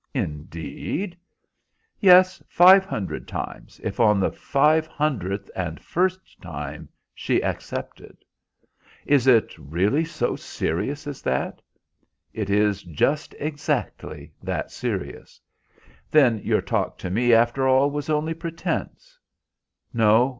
"Indeed?" "Yes, five hundred times, if on the five hundredth and first time she accepted." "Is it really so serious as that?" "It is just exactly that serious." "Then your talk to me after all was only pretence?"